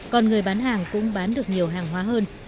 còn người bán hàng cũng bán được nhiều hàng hóa hơn